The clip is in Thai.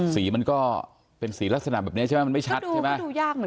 สีมันก็เป็นสีลักษณะแบบนี้ใช่ไหมมันไม่ชัดใช่ไหม